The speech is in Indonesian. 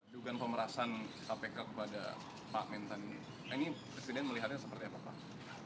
dugaan pemerasan kpk kepada pak mentan ini presiden melihatnya seperti apa pak